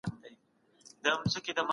هر څوک باید خپل شخصیت ته پام وکړي.